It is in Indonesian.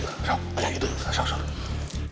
kaya ide tuh